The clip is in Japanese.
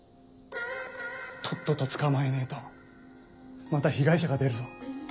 とっとと捕まえねえとまた被害者が出るぞ。